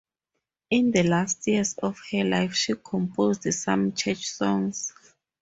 In the last years of her life she composed some church songs.